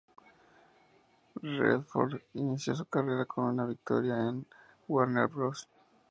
Redford inició su carrera con una victoria en un "Warner Bros.